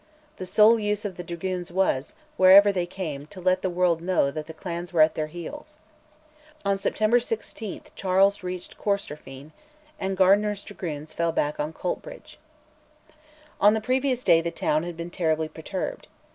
The sole use of the dragoons was, wherever they came, to let the world know that the clans were at their heels. On September 16 Charles reached Corstorphine, and Gardiner's dragoons fell back on Coltbridge. On the previous day the town had been terribly perturbed.